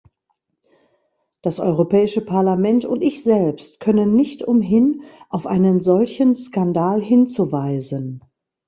Das Europäische Parlament und ich selbst können nicht umhin, auf einen solchen Skandal hinzuweisen.